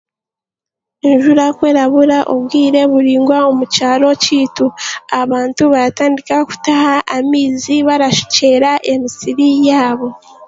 Enjura ku erabura obwire buraingwa omu kyaro kyaitu, abantu baratandika kutaha amaizi barashukyerera emisiri yaabo